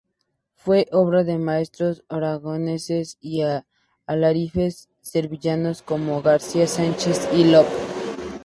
Fue obra de maestros aragoneses y alarifes sevillanos como García Sánchez y Lop.